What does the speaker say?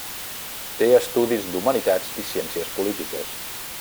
Té estudis d'Humanitats i Ciències Polítiques.